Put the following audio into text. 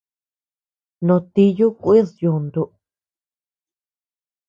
No tíyu kuid yuntu.